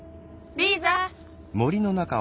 リーザ！